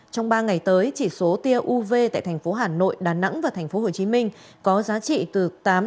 trong ba ngày tới chỉ số tia uv tại thành phố hà nội đà nẵng và thành phố hồ chí minh có giá trị từ tám một mươi